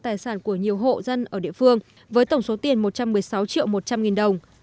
tài sản của nhiều hộ dân ở địa phương với tổng số tiền một trăm một mươi sáu triệu một trăm linh nghìn đồng